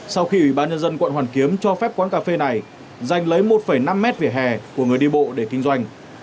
sau khi ủy ban nhân dân quận hoàn kiếm cho phép quán cà phê này dành lấy một năm mét vỉa hè của người đi bộ để kinh doanh